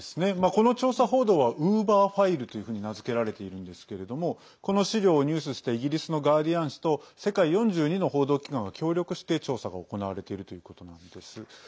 この調査報道はウーバーファイルというふうに名付けられているんですけれどもこの資料を入手したイギリスのガーディアン紙と世界４２の報道機関が協力して調査が行われているということなんです。